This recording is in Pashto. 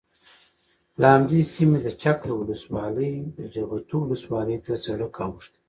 له همدې سیمې د چک له ولسوالۍ د جغتو ولسوالۍ ته سرک اوښتی،